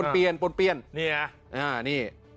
ป่นเปียนนี่อะอ่านี่